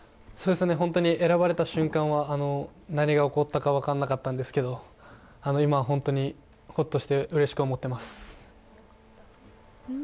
選ばれた瞬間は何が起こったか分からなかったんですけど今は本当に、ホッとしてうれしく思っています。